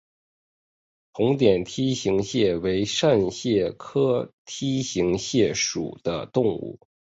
红点梯形蟹为扇蟹科梯形蟹属的动物。